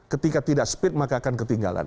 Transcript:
ketika tidak speed maka akan ketinggalan